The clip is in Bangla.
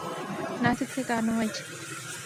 নাসিক থেকে আনা হয়েছে।